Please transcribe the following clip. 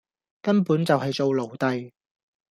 根本就係做奴隸